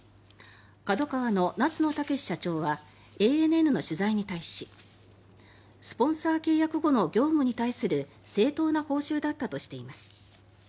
ＫＡＤＯＫＡＷＡの夏野剛社長はＡＮＮの取材に対しスポンサー契約後の業務に対する正当な報酬だったとしています。